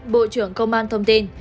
bộ trưởng công an thông tin